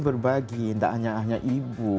berbagi tidak hanya hanya ibu